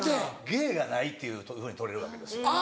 芸がないっていうふうに取れるわけですよ。